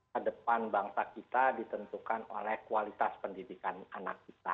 kedepan bangsa kita ditentukan oleh kualitas pendidikan anak kita